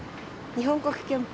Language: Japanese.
日本国憲法？